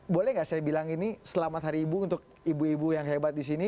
boleh nggak saya bilang ini selamat hari ibu untuk ibu ibu yang hebat di sini